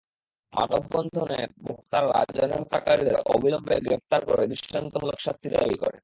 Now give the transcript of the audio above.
মানববন্ধনে বক্তারা রাজনের হত্যাকারীদের অবিলম্বে গ্রেপ্তার করে দৃষ্টান্তমূলক শাস্তি দাবি করেন।